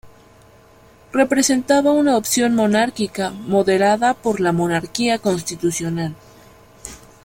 Representaba una opción monárquica moderada por la monarquía constitucional.